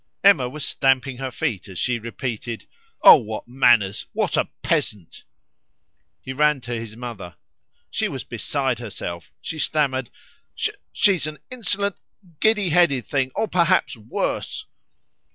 Emma was stamping her feet as she repeated "Oh! what manners! What a peasant!" He ran to his mother; she was beside herself. She stammered "She is an insolent, giddy headed thing, or perhaps worse!"